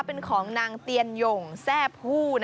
เป็นของนางเตียนหย่งแทร่ผู้